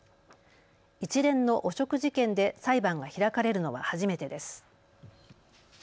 一連の汚職事件で裁判が開かれるのは初めてです。